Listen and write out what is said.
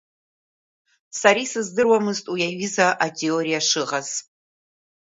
Сара исыздыруамызт уи аҩыза атеориа шыҟаз.